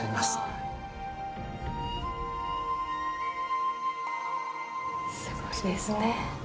すごいですね。